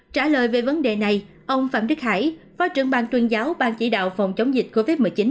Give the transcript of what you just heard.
trả lời về vấn đề này ông phạm đức hải phó trưởng bang tuyên giáo bang chỉ đạo phòng chống dịch covid một mươi chín